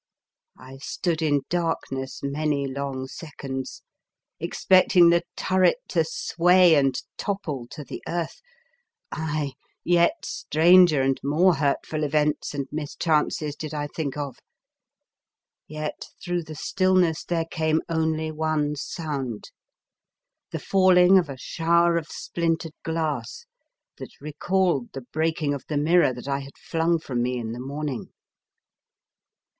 I stood in darkness many long sec onds, expecting the turret to sway and topple to the earth — aye, yet stranger and more hurtful events and mis chances did I think of, — yet through the stillness there came only one sound — the falling of a shower of splintered glass that recalled the breaking of the mirror that I had flung from me in the morning.